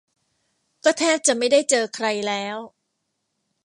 ก็แทบจะไม่ได้เจอใครแล้ว